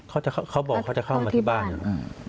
เขาจะเขาเขาบอกเขาจะเข้ามาที่บ้านอ่า